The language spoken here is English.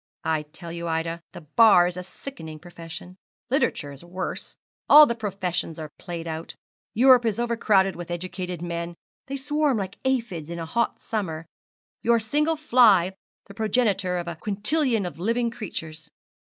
I tell you, Ida, the Bar is a sickening profession; literature is worse; all the professions are played out, Europe is overcrowded with educated men; they swarm like aphides in a hot summer your single fly the progenitor of a quintillion of living creatures.